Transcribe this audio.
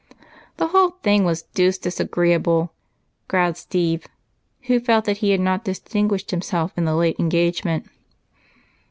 "The whole thing was deuced disagreeable," growled Steve, who felt that he had not distinguished himself in the late engagement.